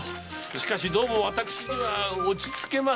しかしどうも私には落ち着けませぬな。